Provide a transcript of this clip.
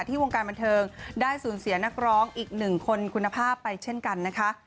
วงการบันเทิงได้สูญเสียนักร้องอีกหนึ่งคนคุณภาพไปเช่นกันนะคะ